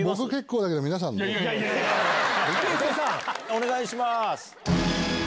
お願いします。